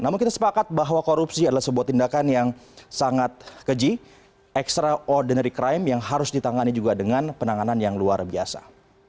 namun kita sepakat bahwa korupsi adalah sebuah tindakan yang sangat keji extraordinary crime yang harus ditangani juga dengan penanganan yang luar biasa